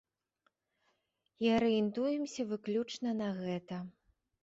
І арыентуемся выключна на гэта.